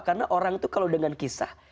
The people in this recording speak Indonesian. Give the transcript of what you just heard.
karena orang itu kalau dengan kisah